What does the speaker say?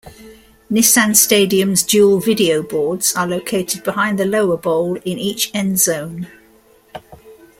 Nissan Stadium's dual videoboards are located behind the lower bowl in each end zone.